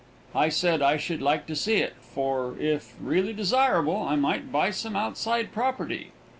I said I should like to see it, for, if really desirable, I might buy some outside property.